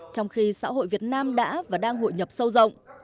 trong khi xã hội việt nam đã và đang hội nhập sâu rộng